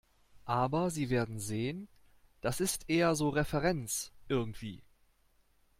Aber Sie werden sehen, das ist eher so Referenz, irgendwie.